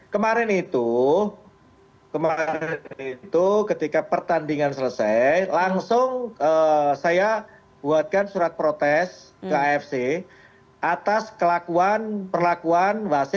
kemarin itu ketika pertandingan selesai langsung saya buatkan surat protes ke afc atas kelakuan perlakuan wasit yang tidak berhasil